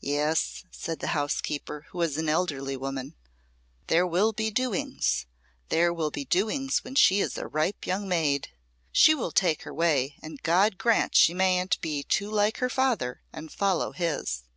"Yes," said the housekeeper, who was an elderly woman, "there will be doings there will be doings when she is a ripe young maid. She will take her way, and God grant she mayn't be too like her father and follow his."